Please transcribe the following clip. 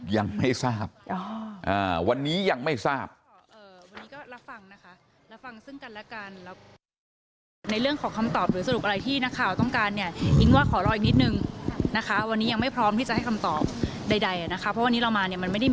ยังไม่ทราบวันนี้ยังไม่ทราบ